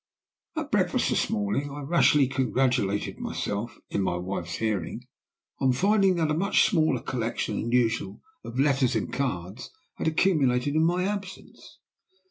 At breakfast this morning I rashly congratulated myself (in my wife's hearing) on finding that a much smaller collection than usual of letters and cards had accumulated in my absence.